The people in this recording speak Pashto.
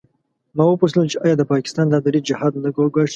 ما وپوښتل چې آیا د پاکستان دا دریځ جهاد نه ګواښي.